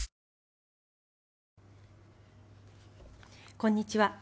こんにちは。